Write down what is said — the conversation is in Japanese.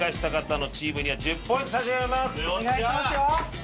お願いしますよ。